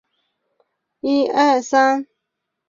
此后各位将领守臣皆升赏有别。